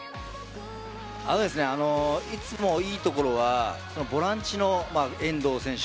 いつもいいところはボランチの遠藤選手